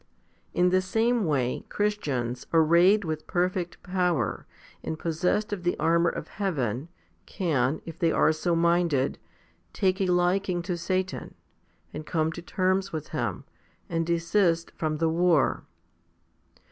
In the same way, Christians, arrayed with perfect power, and possessed of the armour of heaven, can, if they are so minded, take a liking to Satan, and come to terms with him, and desist from the war.